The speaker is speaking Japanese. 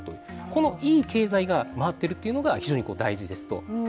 このいい経済が回っているというのが非常に大事ですと。